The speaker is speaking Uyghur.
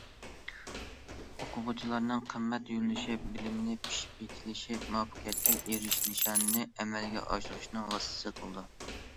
ئوقۇغۇچىلارنىڭ قىممەت يۆنىلىشى بىلىمنى پىشىپ يېتىلىش، مۇۋەپپەقىيەتكە ئېرىشىش نىشانىنى ئەمەلگە ئاشۇرۇشنىڭ ۋاسىتىسى قىلىدۇ.